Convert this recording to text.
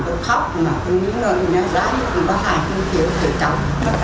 tối hôm nay tôi nằm tôi khóc mà tôi nghĩ là nó rãi không có hài không chịu thì cháu bắt đầu